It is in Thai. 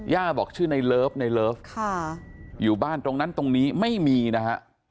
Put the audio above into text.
บอกชื่อในเลิฟในเลิฟอยู่บ้านตรงนั้นตรงนี้ไม่มีนะฮะ